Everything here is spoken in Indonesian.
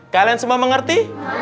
kalian semua mengerti